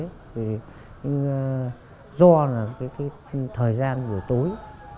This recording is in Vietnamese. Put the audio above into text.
nhưng do là cái thời gian buổi tối